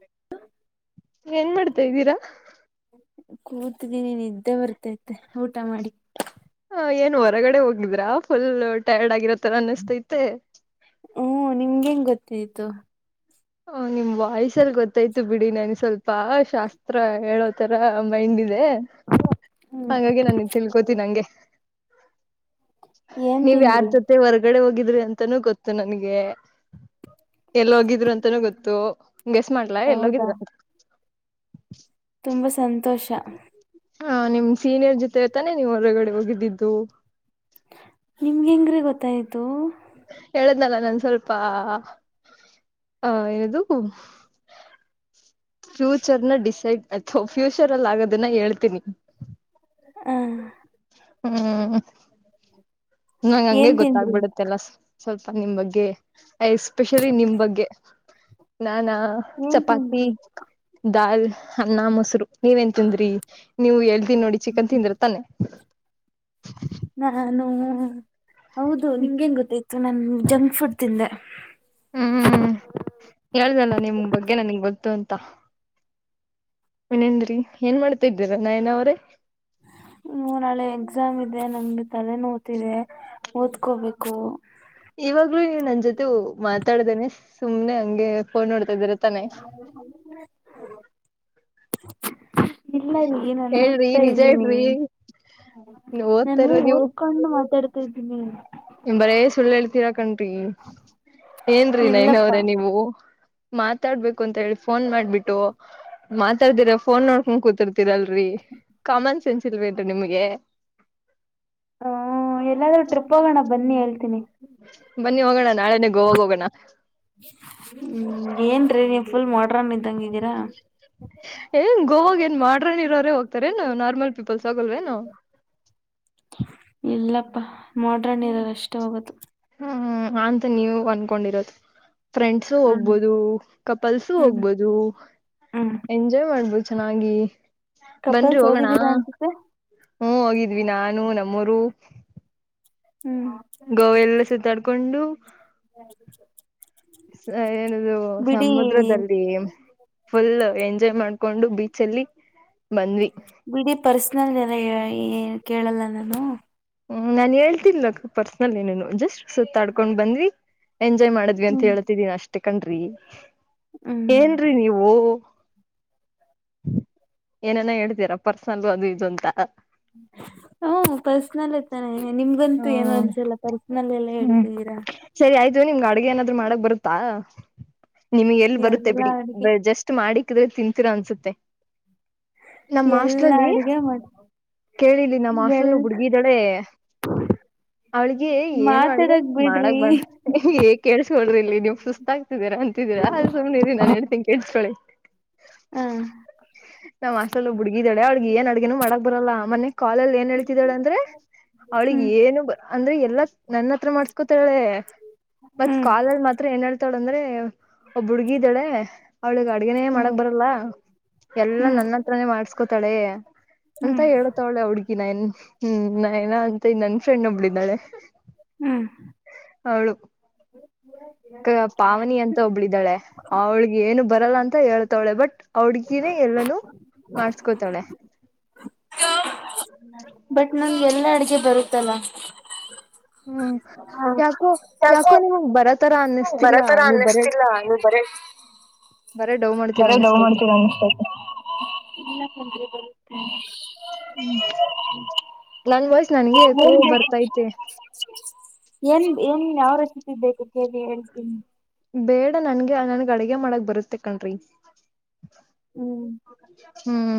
[inaudible] ಏನ್ ಮಾಡ್ತಾ ಇದ್ದೀರಾ ಕೂತಿದ್ದೀನಿ ನಿದ್ದೆ ಬರತೈತೆ ಊಟ ಮಾಡಿ. ಹ ಏನ್ ಹೊರಗಡೆ ಹೋಗಿದ್ರಾ ಫುಲ್ ಟೈರ್ಡ ಆಗಿರೋತರ ಅನಿಸ್ತೈತೆ. ಹೂ ನಿಮ್ಗ್ ಹೆಂಗ್ ಗೊತೈತು? ಹ ನಿಮ್ ವಾಯ್ಸಲ್ಲಿ ಗೊತ್ತಾಯ್ತು ಬಿಡಿ ನನ್ಗೆ ಸ್ವಲ್ಪ ಶಾಸ್ತ್ರ ಹೇಳೋತರ ಮೈಂಡ್ ಇದೆ. ಹ್ಮ್ ಹಂಗಾಗಿ ನನಿಗ್ ತಿಳ್ಕೋತೀನ್ ಹಂಗೆ. ಏನ್ ನೀವ್ ಯಾರ್ ತಿಂದ್ರಿ ಜೊತೆ ಹೊರ್ಗಡೆ ಹೋಗಿದ್ರಿ ಅಂತಾನೂ ಗೊತ್ತು ನನ್ಗೆ. ಎಲ್ ಹೋಗಿದ್ರು ಅಂತಾನೂ ಗೊತ್ತು ಗೆಸ್ ಮಾಡ್ಲಾ ಹೌದಾ ಎಲ್ಲೋಗಿದ್ರು ಅಂತ್ ತುಂಬ ಸಂತೋಷ ಹಾ ನಿಮ್ ಸೀನಿಯರ್ ಜೊತೆ ತಾನೇ ನೀವು ಹೊರಗಡೆ ಹೋಗಿದ್ದಿದ್ದು ನಿಮ್ಗ್ ಹೆಂಗ್ರಿ ಗೊತ್ತಾಯಿತು? ಹೇಳದ್ನಲ್ಲ ನಾನ್ ಸ್ವಲ್ಪ ಆ ಇದು ಫ್ಯೂಚರ್ನ ಡಿಸೈಡ್ ಎ ತೂ ಫ್ಯೂಚರ್ ಅಲ್ಲಿ ಆಗೋದನ್ನ ಹೇಳ್ತೀನಿ. ಹ ಹ್ಮ್ [unintelligible] ನಂಗೆ ಹಂಗೆ ಏನ್ ತಿಂದ್ರಿ ಗೊತ್ತಾಗಬಿಡತ್ತೆ ಎಲ್ಲ ಸ್ವಲ್ಪ ನಿಮ್ ಬಗ್ಗೆ ಎಸ್ಪೆಷಲಿ ನಿಮ್ ಬಗ್ಗೆ. ನಾನಾ ಏನ್ ಚಪಾತಿ, ತಿಂದ್ರಿ ದಾಲ್, ಅನ್ನ, ಮೊಸರು. ನೀವೇನ್ ತಿಂದ್ರಿ ನೀವು ಹೇಳ್ತಿನ್ ನೋಡಿ ಚಿಕನ್ ತಿಂದ್ರಿ ತಾನೆ. ನಾನು ಹೌದು ನಿಂಗ್ ಹೆಂಗ ಗೊತ್ತಾಯ್ತು ನನ್ ಜಂಕ್ ಫುಡ್ ತಿಂದೆ. ಹ್ಮ್ ಹೇಳದೆ ಅಲ್ಲ ನಿಮ್ ಬಗ್ಗೆ ನನಗ್ ಗೊತ್ತು ಅಂತ. ಇನ್ನೆನ್ರೀ ಏನ್ ಮಾಡ್ತಾ ಇದ್ದೀರಾ ನಯನ ಅವರೇ. ಹ್ಮ್ ನಾಳೆ ಎಕ್ಸಾಮ್ ಇದೆ ನನಗೆ ತಲೆ ನೋಯತಿದೆ ಓದ್ಕೋಬೇಕು. ಇವಾಗ್ಲೂ ನೀವು ನನ್ ಜೊತೆ ಮಾತಾಡ್ದೇನೆ ಸುಮ್ನೆ ಹಂಗೆ. ಫೋನ್ ನೋಡ್ತಾ ಇದಿರಾ [unintelligible] ಇಲ್ಲ ರಿ ನಾನು ಹೇಳ್ರಿ ಓದ್ತಾ ನಿಜ ಇದ್ದೀನಿ ಹೇಳ್ರಿ ಓದ್ತಾ ನಾನು ಇಲ್ಲ ಓದ್ಕೋ ಕೊಂಡು ಮಾತಾಡ್ತಾ ಇದ್ದೀನಿ. ನೀವು ಬರೇ ಸುಳ್ಳ ಹೇಳ್ತೀರಾ ಕಣ್ರಿ ಏನ್ರಿ ನಯನ ಇಲ್ಲಪ್ಪಾ ಅವ್ರೆ ನೀವು. ಮಾತಾಡ್ಬೇಕು ಅಂತ ಹೇಳಿ ಫೋನ್ ಮಾಡ್ಬಿಟ್ಟು ಮಾತಾಡ್ದಿರ ಫೋನ್ ನೋಡ್ಕೊಂಡ ಕೂತಿರ್ ತ್ತಿಲ್ರರಿ ಕಾಮನ್ ಸೆನ್ಸ್ ಇಲ್ವೇನ್ರಿ ನಿಮ್ಗೆ ಹ್ಮ ಎಲ್ಲಾದೂಎ ಟ್ರಿಪ್ ಹೋಗೋಣ ಬನ್ನಿ ಹೇಳ್ತೀನಿ. ಬನ್ನಿ ಹೋಗೋಣ ನಾಳೆನೆ ಗೋವಾಗೆ ಹೋಗೋಣ. ಹ್ಮ್ ಏನ್ರೀ ನೀವ್ ಫುಲ್ ಮಾಡ್ರನ್ ಇದ್ದಂಗಿದ್ದೀರಾ. ಏನ್ ಗೋವಾಗೆ ಏನ್ ಮಾಡ್ರನ್ ಇರೋರೆೇ ಹೋಗ್ತಾರ ಏನ್ ನಾರ್ಮಲ್ ಪೀಪಲ್ಸ್ ಹೋಗಲ್ವೆನೂ. ಇಲ್ಲಪ್ಪ ಮಾಡ್ರನ್ ಇರೋರೊ ಅಷ್ಟೇ ಹೋಗೋದು. ಹ್ಮ ಅಂತ ನೀವು ಅನ್ಕೊಂಡಿರೋದು. ಫ್ರೆಂಡ್ಸು ಹ್ಮ್ ಹೋಗ್ಬೋದು ಕಪಲ್ಸು ಹ್ಮ್ ಹೋಗ್ಬೋದು. ಹ್ಮ್ ಎಂಜಾಯ್ ಮಾಡ್ಬೋದು ಚೆನ್ನಾಗಿ ಬನ್ರಿ ಕಪಲ್ಸ್ ಹೋಗೋಣ. ಹೋಗಿದ್ದೀರಾ ಅನ್ಸುತ್ತೆ ಹ್ಮ್ ಹೋಗಿದ್ವಿ ನಾನು ನಮ್ಮೋರು. ಹ್ಮ್ ಗೋವ ಎಲ್ಲಾ ಸುತ್ತಾಡ್ಕೊಂಡು. [inaudible] ಏನದು ಬಿಡಿ ಸಮುದ್ರದಂಡಿಗೆನ್ ಫುಲ್ ಎಂಜಾಯ್ ಮಾಡ್ಕೊಂಡು ಬೀಚಲ್ಲಿ ಬಂದ್ವಿ. ಬಿಡೀ ಪರ್ಸನಲ್ ಎಲ್ಲಾ ಏನ್ ಕೇಳಲ್ಲ ನಾನು ಹ್ಮ್ ನಾನ್ ಹೇಳ್ತಿಲ್ಲ ಪರ್ಸನಲ್ ಏನು ಜಸ್ಟ್ ಸುತ್ತಾಡ್ಕೊಂಡ್ ಬಂದ್ವಿ. ಎಂಜಾಯ್ ಮಾಡಿದ್ವಿ ಅಂತ ಹ್ಮ್ ಹೇಳ್ತಿದೀನಿ ಅಷ್ಟೇ ಕಣ್ರಿ ಹ್ಮ್ ಏನ್ರೀ ನೀವು ಏನನ ಹೇಳ್ತೀರಾ ಪರ್ಸನಲ್ ಅದು ಇದು ಅಂತ. ಹ್ಮ್ ಪರ್ಸ್ನಲ್ಲೆ ತನೆ ನಿಮ್ಗಂತೂ ಏನು ಹ್ಮ್ ಅನ್ಸಿಲ್ಲ ಪರ್ಸ್ನಲ್ ಎಲ್ಲ ಹ್ಮ್ ಹೇಳ್ತಿದ್ದೀರಾ. ಸರಿ ಆಯ್ತು ನಿಮ್ಗೆ ಅಡ್ಗೆ ಏನಾದ್ರು ಮಾಡಕ್ ಬರುತ್ತಾ ನಿಮ್ಗೆ ಎಲ್ಲಿ ಬರುತ್ತೆ ಎಲ್ಲಾ ಬಿಡಿ ಅಡ್ಗೆ ಜಸ್ಟ್ ಷ್ಟ್ ಮಾಡಿಕ್ಕಿದ್ರೆ ತಿಂತೀರಾ ಅನ್ಸುತ್ತೆ. ನಮ್ಮ್ ಎಲ್ಲಾ ಹಾಸ್ಟ್ಲಲ್ಲಿ ಅಡ್ಗೆ ಮಾಡ ಕೇಳಿ ಇಲ್ಲಿ ನಮ್ಮ ಎಲ್ ಹಾಸ್ಟೆಲ್ನಲ್ಲಿ ಒಬ್ಬ ಹುಡ್ಗೀ ಇದ್ದಾಳೆ. ಅವಳಿಗೆ ಏನು ಅಡುಗೆ ಮಾತಾಡಕ್ ಬಿಡ್ರಿ ಮಾಡಕ್ ಬರ ಏ ಕೇಸ್ಕಳ್ರಿ ಇಲ್ಲಿ ನೀವು ಸುಸ್ತ ಆಗ್ತಿದೀರ ಅಂತಿದೀರಾ ಅದು ಸುಮ್ನರಿ ನಾನ್ ಹೇಳ್ತಿನಿ ಕೇಳ್ಸ್ಕೊಳ್ಳಿ ಹಾ ನಮ್ ಹಾಸ್ಟ್ಲಲ್ಲಿ ಒಬ್ ಹುಡುಗಿ ಇದಾಳೆ ಅವಳಿಗೆ ಏನ್ ಅಡ್ಗೇನು ಮಾಡಕ್ ಬರಲ್ಲ ಮೊನ್ನೆ ಕಾಲಲ್ಲ್ ಏನ್ ಹೇಳ್ತಿದ್ದಾಳಂದ್ರೆ ಅವ್ಳಿಗ್ ಹ್ಮ್ ಏನು ಬ ಅಂದ್ರೆ ಎಲ್ಲಾ ನನ್ನ ಹತ್ರ ಮಾಡ್ಸ್ಕೊತ್ತಾಳೆ. ಮತ್ ಹ್ಮ್ ಕಾಲಲ್ಲಿ ಮಾತ್ರ ಏನ್ ಹೇಳ್ತಾಳೆ ಅಂದ್ರೆ ಒಬ್ಬ ಹುಡ್ಗಿ ಇದಳೆ ಅವ್ಳಿಗೆ ಅಡ್ಗನೇ ಮಾಡಕ್ ಬರಲ್ಲ ಎಲ್ಲಾ ಹ್ಮ್ ನನ್ನ ತ್ರನೆ ಮಾಡ್ಸ್ಕೋತಾಳೆ ಅಂತ ಹ್ಮ್ ಹೇಳ್ತಾವ್ಳೆ ಆ ಹುಡ್ಗಿ ನನ್ಗ್ ಹ್ಮ್ ನಯನ ಅಂತ ನನ್ ಫ್ರೆಂಡ್ ಒಬ್ಳಿದ್ದಾಳೆ ಹ್ಮು ಅವ್ಳು ತ ಪಾವನಿ ಅಂತ ಒಬ್ಳಿದ್ದಾಳೆ ಅವ್ಳಿಗೆ ಏನು ಬರಲ್ಲ ಅಂತ್ ಅಂತ ಹೇಳ್ತಾವ್ಳೆ ಬಟ್ ಆ ಹುಡ್ಗಿನೆ ಎಲ್ಲಾನೂ ಮಾಡ್ಸ್ಕೋತಾಳೆ. [unintelligible] ಬಟ್ ನಂಗೆ ಎಲ್ಲಾ ಅಡ್ಗೆ ಬರುತ್ತಲ್ಲ ಹ್ಮ್ ಯಾ ಯಾಕ್ ಯಾಕೋ ನಿಮಗ್ ಬರೊತರ ಅನ್ನಿಸ್ತಿಲ್ಲ ಬರತರ ನೀವ್ ಬರೇ ಅನ್ನಿಸ್ತಿಲ್ಲ ಬರೆ ಡೌ ಮಾ ಬರೆ ಡವ್ ಮಾಡ್ತೀರ ಅನ್ಸತೈತೆ ಇಲ್ಲಪ್ಪ ಹ್ಮು ನನ್ ವಾಯ್ಸ್ ನನ್ಗೆ ಎಕೋ ಬರುತ್ತೆ ಬರ್ತೈತೆ. ಏನ್ ಏನ್ ಯಾವ ರೆಸಿಪಿ ಬೇಕು ಕೇಳಿ ಹೇಳ್ತೀನಿ. ಬೇಡ ನನ್ಗೆ ನನ್ಗೆ ಅಡಗೆ ಮಾಡಕ್ಕೆ ಬರುತ್ತೆ ಕಣ್ರಿ. ಹ್ಮ್ ಹ್ಮು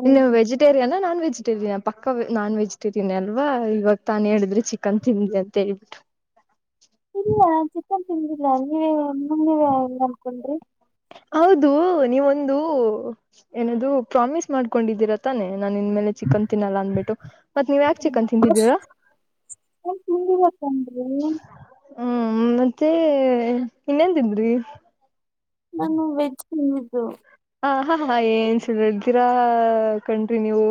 ಹ್ಮ್ ಇಲ್ಲ ವೆಜಿ ವೆಟೇರಿಯನ್ ನಾನ್ ವೆಜಿಟೇರಿಯನ್ ಪಕ್ಕ ನಾನ್ ವೆಜಿಟೇರಿಯನ್ ಅಲ್ವಾ ಇವಾತ್ತಾನು ಹೇಳಿದ್ರೆ ಚಿಕನ್ ತಿಂದ್ಲೆಳ್ಬಿಟ್ಟು ಇಲ್ಲ ಚಿಕನ್ ತಿಂದಿಲ್ಲ ನೀವೇ ನೀವ್ನೀವೆ ಹೆಂಗ್ ಅನ್ಕೊಂಡ್ರಿ ಹೌದು ನೀವೊಂದು ಏನದೂ ಪ್ರಾಮಿಸ್ ಮಾಡ್ಕೊಂಡಿದ್ದೀರಾ ತಾನೆ ನಾನ ಇನ್ಮೇಲೆ ಚಿಕನ್ ತಿನ್ನಲ್ಲ ಅಂದ್ಬಿಟ್ಟು ಮತ್ ನೀವ್ಯಾಕೆ ಚಿಕನ್ ತಿಂದಿದ್ದೀರಾ. ನಾನ್ ತಿಂದಿಲ್ಲ ಕಣ್ರೀ ಹ್ಮು ಮತ್ತೇ ಇನ್ನೆನ್ ತಿಂದ್ರಿ ನಾನು ವೆಜ್ ತಿನ್ನೋದು. ಹ ಹಾ ಹಾ ಏನ್ ಸುಳ್ಳೇಳ್ತೀರಾ ಕಣ್ರಿ ನೀವು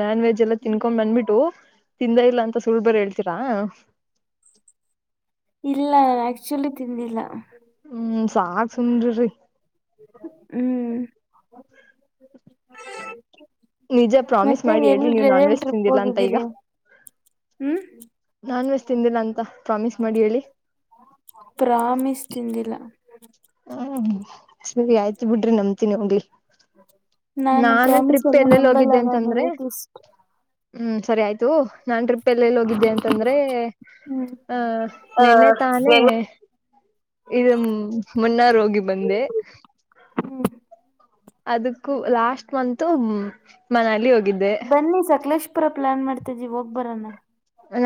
ನಾನ್ ವೆಜ್ ಎಲ್ಲ ತಿನ್ಕೊಂಡ್ ಬಂದುಬಿಟ್ಟು ತಿಂದೇ ಇಲ್ಲ ಅಂತ ಸುಳ್ ಬೇರೆ ಹೇಳ್ತೀರಾ ಇಲ್ಲಾ ಆಕ್ಚುಲಿ ತಿಂದಿಲ್ಲ. ಹ್ಮು ಸಾಕ್ ಸುಮ್ನಿರ್ರಿ. ಹ್ಮು ನಿಜ ಪ್ರಾಮಿಸ್ ಮಾಡಿ ಹೇಳಿ ನೀವು ನಾನ್ ವೆಜ್ ತಿಂದಿಲ್ಲ ಅಂತ ಈಗ ಹ್ಮು ನಾನ್ ವೆಜ್ ತಿಂದಿಲ್ಲ ಅಂತ ಪ್ರಾಮಿಸ್ ಮಾಡಿ ಹೇಳಿ ಪ್ರಾಮಿಸ್ ತಿಂದಿಲ್ಲ. ಹ್ಮು ಸರಿ ಆಯ್ತ್ ಬಿಡ್ರಿ ನಂಬ್ತಿನಿ ಹೋಗ್ಲಿ ನಾನು ಪ್ರಾಮಿಸ್ ಟ್ರಿಪ್ ಎಲ್ಲ ಎಲ್ಲೆಲ್ಲಿ ನಂಬಲ್ಲ ಹೋಗಿದ್ದೆ ನಾನು ಅಂತಂದ್ರೆ ಏತಿಸ್ಟ್ ಹ್ಮು ಸರಿ ಆಯ್ತು ನಾನ್ ಟ್ರಿಪ್ ಎಲ್ಲೆಲ್ಲಿ ಹೋಗಿದ್ದೆ ಅಂತಅಂದ್ರೆ ಹ್ಮ್ ಹಾ ಹ ನಿನ್ನೆ ತಾನೇ ಎನ್ ಇದುಂ ಮುನ್ನಾರೋಗಿ ಬಂದೆ ಹ್ಮ್ ಅದಕ್ಕು ಲಾಸ್ಟ್ ಮಂತು ಮನಾಲಿ ಹೋಗಿದ್ದೆ ಬನ್ನಿ ಸಕ್ಲೇಶ್ಪುರ ಪ್ಲ್ಯಾನ್ ಮಾಡ್ತೈದ್ದಿವಿ ಹೋಗ್ ಬರೋನ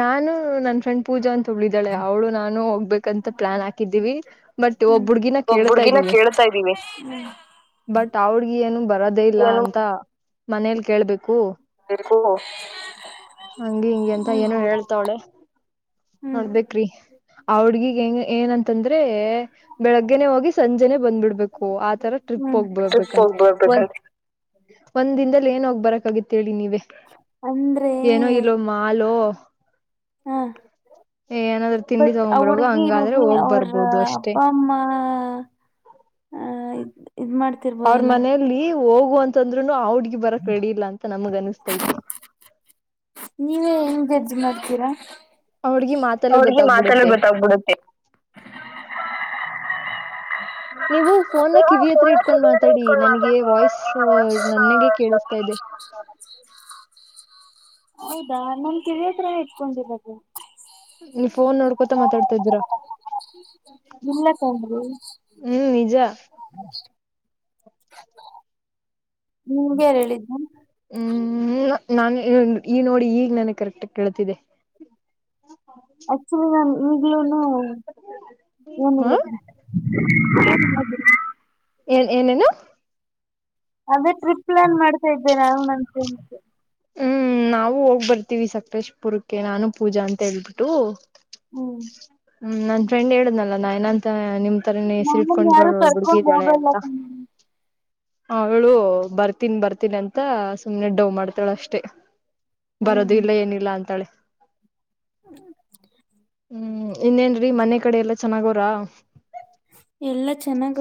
ನಾನು ನನ್ ಫ್ರೆಂಡ್ ಪೂಜಾ ಅಂತ ಒಬ್ಳಿದ್ದಾಳೆ ಅವ್ಳು ನಾನು ಹೋಗ್ಬೇಕಂತ ಪ್ಲಾನ್ ಹಾಕಿದ್ದೀವಿ ಬಟ್ ಹ್ಮು ಒಬ್ ಹುಡ್ಗಿನ ಕೇಳ್ತಾ ಒಬ್ಬುಡ್ಗಿನ ಇದೀವಿ ಕೇಳ್ತೈದ್ದೀನಿ ಬಟ್ ಅವ ಹುಡುಗಿ ಏನು ಬರೋದೇ ಇಲ್ಲ ಅಂತ ಮನೇಲಿ ಕೇಳ್ಬೇಕು. ಹಂಗೆ ಹಿಂಗೆ [unintelligible] ಅಂತ ಏನು ಹೇಳ್ತಾವಳೆ ಹ್ಮ್ ನೋಡ್ಬೇಕ್ರಿ. ಅವಡ್ಗಿಗ್ ಹೆಂಗ ಏನಂತಂದ್ರೆ. ಬೆಳಗ್ಗೆನೆ ಹೋಗಿ ಸಂಜೆನೆ ಬಂದ್ಬಿಡ್ಬೇಕು ಆತರ ಟ್ರಿಪ್ ಹ್ಮ್ ಹೋಗ್ ಟ್ರಿಪ್ ಹೋಗ್ ಬರ್ಬೇಕಂತೆ ಒಂದು. ಬರ್ಬೇಕಂತ ಒಂದ್ ದಿನದಲ್ಲಿ ಏನೋಗ್ ಬರಕ್ಗತ್ತ ಹೇಳೇಳಿ ನೀವೇ ಅಂದ್ರೆ ಏನೋ ಇಲ್ಲೋಮ್ಮ. ಹಲೋ. ಹಾ ಏ ಏನಾದ್ರೂ ತಿಂಡಿ ಬಟ್ ಆ ತಗೊಂಬರಗ ಹುಡ್ಗಿ ಹಂಗಾದ್ರೆ ಮೇಬಿ ಹೋಗ್ ಅವ್ರ ಬರ್ಬೋದು ಅಪ್ಪ ಅಷ್ಟೇ. ಅಮ್ಮ ಇದ್ ಇದು ಮಾಡ್. ಅವ್ರ ಮನೆಯಲ್ಲಿ ಹೋಗು ಅಂತ ಅಂದ್ರೂನು ಅವಡ್ಗಿ ಬರಕ್ ರೆಡಿಲ್ಲ ಅಂತ ನಮಗ್ ಅನಿಸಸ್ತೈತಿ. ನೀವೇ ಹೆಂಗ ಜಡ್ಜ್ ಮಾಡ್ತೀರಾ ಆ ಹುಡ್ಗಿ ಮಾಡ್ತೀರಾ ಮಾತಲ್ಲೇ ಆ ಹುಡುಗಿ ಮಾತಲ್ಲೆ ಗೊತ್ತಾಗ್ಬಿಡುತ್ತೆ ಗೊತ್ತಾಗಬಿಡುತ್ತೆ. ನೀವು ಫೋನ್ ನೀವು ಕಿವಿ ಫೋನ್ ಹತ್ರ ಇಟ್ಕೊಂಡ್ ಕಿವಿಹತ್ರ ಮಾತಾಡಿ ಇಟ್ಕೊಂಡ್ ನನಗೆ ಮಾತಾಡಿ ವಾಯ್ಸ್. ನನ್ಗೆ ಸ ವಾಯ್ಸ್ ನನಗೆ ಕೇಳಿಸ್ತಾ ಇದೆ. ಹೌದಾ ನನ್ ಕಿವಿಯತ್ರನೆ ಇಟ್ಕೊಂಡಿರೋದು. ನೀವು ಫೋನ್ ನೋಡ್ಕೊತ ಮಾತಾಡ್ತಾ ಇದೀರ. ಇಲ್ಲ ಕಣ್ರೀ. ಹ್ಮ್ ನಿಜ. ನಿನಗ್ಯಾರು ಹೇಳಿದ್ದು. ಹ್ಮ್ ನಾನು ಈ ನೋಡಿ ಈಗ್ ನಾನಗೆ ಕರೆಕ್ಟಗ ಕೇಳ್ತಿದ್ದೆ. ಆಕ್ಚುಲಿ ನ ಈಗ್ಲೂನು ಹ ಏನಿಲ್ಲ. [inaudible] ಏನ್ ಏನೇನು. ಅದೇ ಟ್ರಿಪ್ ಪ್ಲಾನ್ ಮಾಡ್ತಾ ಇದ್ದೆನೆ ನಾನು ನನ್ನ ಫ್ರೆಂಡ್ಸ್ ಹ್ಮ್ ನಾವು ಹೋಗ್ ಬರ್ತೀವಿ ಸಕಲೇಶಪುರಕ್ಕೆ ನಾನು ಪೂಜಾ ಅಂತ ಹೇಳ್ಬಿಟ್ಟು ಹ್ಮ್ ಹ್ಮ್ ನನ್ ಫ್ರೆಂಡ್ ಹೇಳಿದುನಲ್ಲ ನಯನ. ನಿಮ್ ತರನೇ ಹೆಸರಿ ನಮ್ಮನ್ ಇಟ್ಕೊಂಡರೋಳ ಯಾರು ಒಬ್ಬಳು ಕರ್ಕೊಂಡ್ ಹುಡುಗಿದ್ದಾಳೆ ಅಂತ ಹೋಗಲ್ಲ ಕಣ್ರೀ ಅವಳು ಬರ್ತೀಣಿ ಬರ್ತೀನಿ ಅಂತ ಸುಮ್ನೆ ಡೌವ್ ಮಾಡ್ತಾಳ ಅಷ್ಟೇ. ಬರೋದು ಹ್ಮ್ ಇಲ್ಲ ಏನಿಲ್ಲ ಅಂತಾಳೆ. [inaudible] ಹ್ಮ್ ಇನ್ನೇನ್ರೀ ಮನೆ ಕಡೆ ಎಲ್ಲ ಚೆನ್ನಾಗವರಾ. ಎಲ್ಲ ಚೆನ್ನಾಗಿ.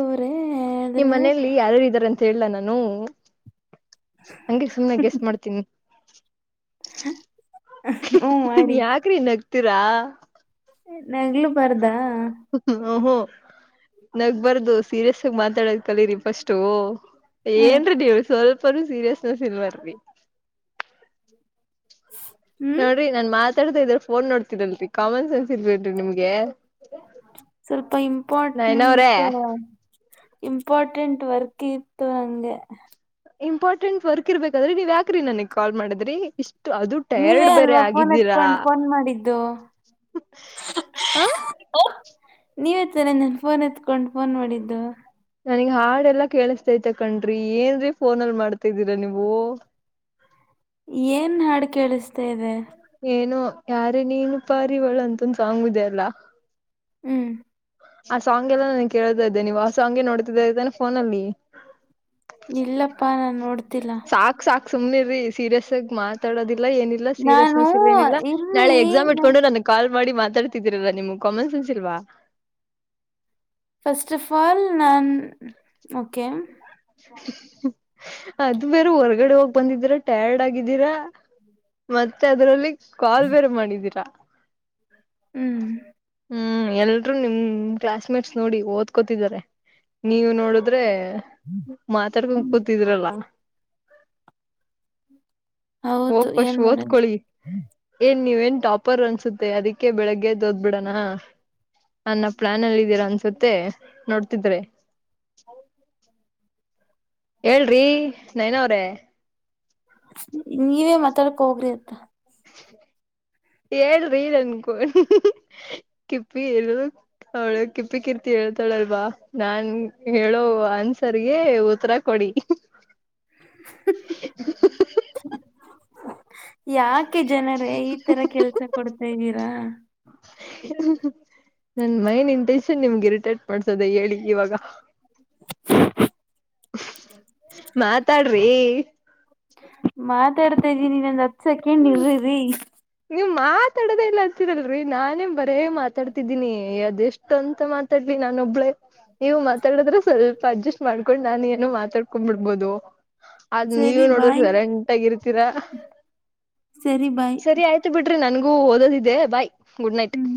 ನಿಮ್ ಮನೆಯಲ್ಲಿ ಯಾರಾರು ಇದ್ದಾರ ಅಂತ ಹೇಳಲಾ ನಾನು. ಹಂಗೆ ಸುಮ್ನೆ ಗೆಸ್ ಮಾಡ್ತೀನಿ.. ಹಾ ಹು ಮಾಡ್ತೀನಿ ಮಾಡಿ ಯಾಕ್ರಿ ನಗ್ತೀರಾ. ನಗ್ಲು ಬರ್ದ. ಹ ನಗ್ ಬರ್ದು ಸೀರಿಯಸ್ ಆಗಿ ಮಾತಾಡೋದ ಕಲೀರಿ ಫಸ್ಟು. ಹ್ಮ್ ಏನ್ರೀ ನೀವ ಸ್ವಲ್ಪನುೂ ಸೀರಿಯಸ್ನೆಸ್ ಇಲ್ವಾರಿ. ಹ್ಮ್ ನೋಡ್ರಿ ನಾನ್ ಮಾತಾಡತ ಇದ್ರ ಫೋನ್ ನೋಡ್ತೀರಲ್ರಿ ಕಾಮನ್ ಸೆನ್ಸ್ ಇಲ್ವೆನ್ರೀ ನಿಮ್ಗೆ. ಸ್ವಲ್ಪ ಇಂಪಾರ್ಟೆಂಟ್. ನಯನ ಅವ್ರೇ ಇಂಪಾರ್ಟೆಂಟ್ ವರ್ಕ್ ಇತ್ತು ಅಂದೇ. ಇಂಪಾರ್ಟೆಂಟ್ ವರ್ಕ್ ಇರ್ಬೇಕಾದ್ರಿ ನೀವ ಯಕ್ರಿ ನನಗ್ ಕಾಲ್ ಮಾಡಿದ್ರಿ ಇಷ್ಟು ಅದು ನೀವೇ ಟಯರ್ಡ್ ಬೇರೆ ಅಲ್ವಾ ಫೋನ್ ಆಗಿದ್ದೀರಾ. ಎತ್ಕೊಂಡು ಫೋನ್ ಮಾಡಿದ್ದು ಹಾ. ಓ.... ನೀವ ಹತ್ತರ ನನ್ ಫೋನ್ ಎತ್ಕೊಂಡು ಫೋನ್ ಮಾಡಿದ್ದು. ನನಗ್ ಹಾಡೆಲ್ಲಾ ಕೇಳಿಸ್ತೈತ ಕಣ್ರಿ ಏನ್ರೀ ಫೋನಲ್ ಮಾಡ್ತಾದ್ದೀರಾ ನೀವು. ಏನ್ ಹಾಡು ಕೇಳಿಸ್ತ ಇದೆ. ಏನು ಯಾರೇ ನೀನು ಪಾರಿವಳು ಅಂತಂದು ಸಾಂಗುದ ಅಲ್ಲ. ಹ್ಮ್ ಆ ಸಾಂಗ್ ಎಲ್ಲ ನಾನ ಕೇಳತಾ ಇದ್ದೆ ನೀವು ಆ ಸಾಂಗೇ ನೋಡ್ತಿದ್ದ ಇದ್ದಾನ ಫೋನ ಅಲ್ಲಿ. ಇಲ್ಲಪ್ಪಾ ನಾನ ನೋಡ್ತಿಲ್ಲ. ಸಾಕ್ ಸಾಕ್ ಸುಮ್ನೆ ರೀ ಸೀರಿಯಸ್ ಆಗ ಮಾತ್ ಡೋದಿಲ್ಲ ಏನಿಲ್ಲ ನಾನು ಸೀರಿಯಸ್ನೆಸ್ ಇಲ್ಲ ನಿಲ್ಲ ನಾಳೆ ಇರ್ರಿ ಎಕ್ಸಾಮ್ ಇಟ್ಕೊಂಡು ನನಗೆ. ಕಾಲ್ ಮಾಡಿ ಮಾತಾಡ್ತಿದೀರಲ್ಲ ನಿಮ್ಗೆ ಕಮೆನ್ಸ್ ಇಲವ್ವ. ಫಸ್ಟ್ ಆಫ್ ಆಲ್ ನಾನ್ ಓಕೆ. ಅದು ಬೇರೆ ಹೊರಗಡೆ ಹೋಗ್. ಬಂದಿದೀರ ಟಯಾರ್ಡ್ ಆಗಿದ್ದೀರಾ ಮತ್ತೆ ಅದ್ರಲ್ಲಿ. ಕಾಲ್ ಬೇರೆ ಮಾಡಿದೀರಾ. ಹ್ಮ್. ಹ್ಮ್ ಎಲ್ರೂ ನಿಮ್ ಕ್ಲಾಸ್ ಮೇಟ್ಸ್ ನೋಡಿ ಓದ್ಕೋತಿದಿದ್ದಾರೆ ನೀವು ನೋಡುದ್ರೆ. ಮಾತಾಡ್ಕೊಂಡ ಕೂತಿದ್ರಲ್ಲ. ಹೌದು ಹೋಗಿ ಏನ್ ಪಾಸ್ಟ ಮಾಡೋದು ಓದ್ಕೊಳ್ಳಿ. ಏನ್ ನೀವ ನ್ ಟಾಪರ್ ಅನ್ಸುತ್ತೆ ಅದಿಕ್ಕೆ ಬೆಳಗ್ಗೆದ್ದ ಬಿಡಣ ನನ್ನ ಪ್ಲಾನ್ ಅಲ್ಲಿ ಇದೀರಾ ಅನ್ಸುತ್ತೆ ನೋಡ್ತಿದ್ರೆ. ಹೇಳ್ರಿ ನಯನ ಅವ್ರೇ. ನೀವೇ ಮಾತಾಡಕ್ ಹೋಗ್ರಿ ಅತ್ತ. [inaudible] ಹೇಳರಿ ಅನ್ಕೋ....... ಕಿಪ್ಪಿ ಏನು ಅವಳು ಕಿಪ್ಪಿ ಕೀರ್ತಿ ಹೇಳ್ತಾಳಲ್ವಾ ನಾನ್ ಹೇಳೋ ಅನ್ಸರ್ಗೆ ಉತ್ತರಕ್. ಕೊಡಿ. [inaudible] ಯಾಕೆ ಜನರೇ ಈ ತರ ಕೆಲ್ಸ ಕೊಡ್ತಾದೀರಾ. ಹ ನನ್ ಮೈಂಡ್ ಇಂಟೆನ್ಷನ್ ನಿಮ್ಗೆ ಇರಿಟೇಟ್ ಮಾಡ್ಸದ ಹೇಳಿಕ್ಕೆ ಇವಾಗ. ಮಾತಾಡ್ರಿ. ಮಾತಾಡ್ತಾ ಇದ್ದೀ ನೀನ್ಂದ್ ಹತ್ ಸಕೆಂಡ್ ಇರಿರಿ. ನೀವು ಮಾತಾಡದೇ ಇಲ್ಲ ಅತಿದಲ್ರಿ ನಾನೇ ಬರೇ ಮಾತಾಡ್ತಿದ್ದೀನಿ ಅದೆಷ್ಟು. ಎಷ್ಟಂತ ಮಾತಾಲಿ ನಾನ ಒಬ್ಳೇ. ನೀವು ಮಾತಾಡದ್ರೆ ಸ್ವಲ್ಪ ಅಡ್ಜಸ್ಟ್ ಮಾಡ್ಕೊಂಡು ನಾನು ಏನ ಮಾತಾಡ್ಕೊಂಡ್ಬಿಡ್ಬೋದು. ಅದ್ ಸರಿ ನೀವೇ ನೋಡರ್ದ ಬಾಯ್ ಸೈಲೆಂಟ್ಗಿ ಇರ್ತೀರಾ. ಸರಿ ಬಾಯ್ ಆಯ್ತು ಬಿಡ್ರಿ ನನ್ಗೂ ಓದೋದಿದ್ದೆ ಬಾಯ್ ಗುಡ್ ನೈಟ್. ಹ್ಮ್